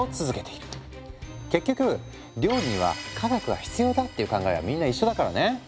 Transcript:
結局料理には科学が必要だっていう考えはみんな一緒だからね。